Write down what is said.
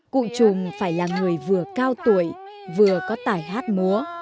cụ trùng phải là người vừa cao tuổi vừa có tài hát múa